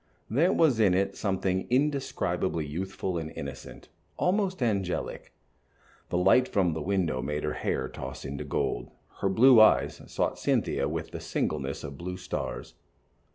There was in it something indescribably youthful and innocent, almost angelic. The light from the window made her hair toss into gold; her blue eyes sought Cynthia with the singleness of blue stars.